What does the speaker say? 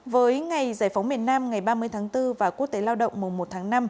với ngày giải phóng miền nam ngày ba mươi tháng bốn và quốc tế lao động mùa một tháng năm